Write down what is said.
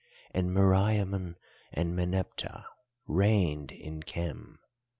And Meriamun and Meneptah reigned in Khem.